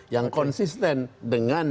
yang konsisten dengan